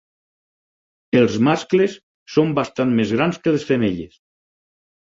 Els mascles són bastant més grans que les femelles.